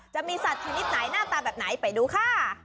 จะมีสัตว์ชนิดไหนหน้าตาแบบไหนไปดูค่ะ